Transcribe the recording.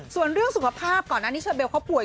ส่วนเรื่องสุขภาพก่อนอันนี้เชอเบลเขาป่วย